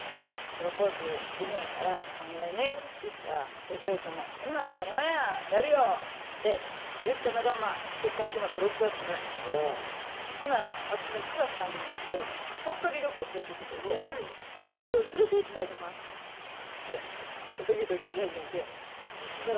「プロポーズ夢やからお願いね」って言ったら哲平くんも「そんなん当たり前やんやるよ」って言ったのが結婚決まった６月ぐらいうん私９月誕生日なんですけど鳥取旅行連れていってくれて「夜連れていきたいとこあんねん」って言ってドキドキし始めて星空